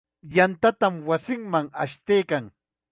Yantatam wasinman ashtaykan.